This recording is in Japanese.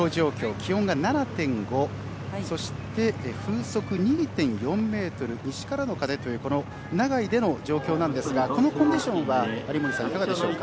気温が７．５そして風速２．４ｍ西からの風という長居での状況なんですがこのコンディションは有森さん、いかがでしょうか？